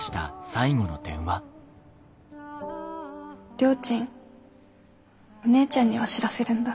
りょーちんお姉ちゃんには知らせるんだ。